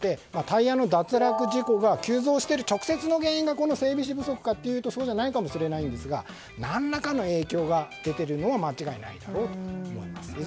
タイヤの脱落事故が急増している直接の原因がこの整備士不足かというとそうじゃないかもしれないんですが何らかの影響が出ているのは間違いないだろうと思います。